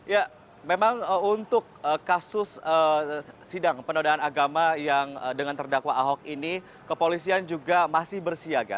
ya memang untuk kasus sidang penodaan agama yang dengan terdakwa ahok ini kepolisian juga masih bersiaga